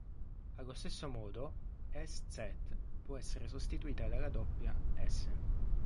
Allo stesso modo, "ß" può essere sostituita dalla doppia "s".